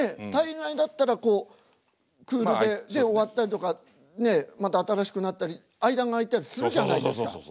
大概だったらクールで終わったりとかまた新しくなったり間が空いたりするじゃないですか。